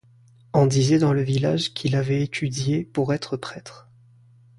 On disait dans le village qu’il avait étudié pour être prêtre.